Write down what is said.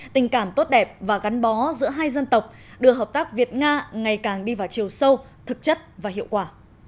tình cảm tốt đẹp và gắn bó giữa hai dân tộc đưa hợp tác việt nga ngày càng đi vào chiều sâu thực chất và hiệu quả